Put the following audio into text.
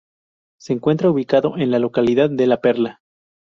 Se encuentra ubicado en la localidad de La Perla.